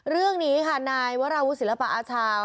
เรื่องนี้ค่ะนายวราวุศิลปะอาชาว